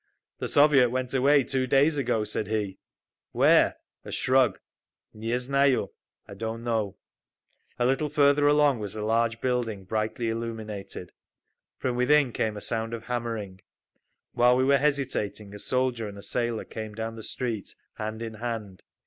"The Soviet went away two days ago," said he. "Where?" A shrug. "Nie znayu. I don't know." A little further along was a large building, brightly illuminated. From within came a sound of hammering. While we were hesitating, a soldier and a sailor came down the street, hand in hand.